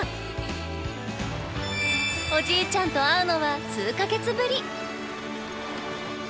おじいちゃんと会うのは数か月ぶり。